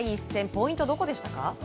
ポイントはどこでしたか？